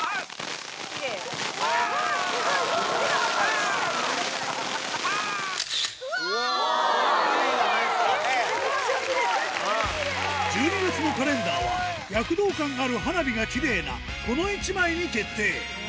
ファイア！１２月のカレンダーは、躍動感ある花火がきれいなこの一枚に決定。